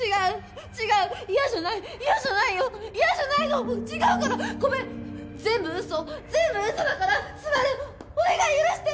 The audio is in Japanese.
嫌じゃない嫌じゃないよ嫌じゃないの違うからごめん全部ウソ全部ウソだからスバルお願い許してごめん！